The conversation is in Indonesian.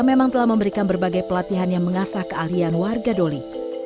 memang telah memberikan berbagai pelatihan yang mengasah keahlian warga doli